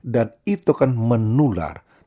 dan itu akan menular